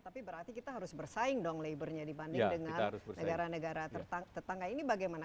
tapi berarti kita harus bersaing dong labornya dibanding dengan negara negara tetangga ini bagaimana